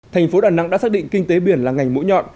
thành phố đà nẵng đã xác định kinh tế biển là ngành mũi nhọn